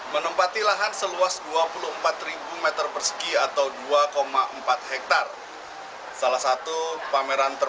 menempati lahan seluas dua puluh empat ribu meter persegi atau dua empat hektare